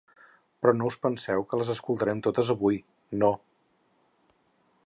Però no us penseu que les escoltarem totes avui, no.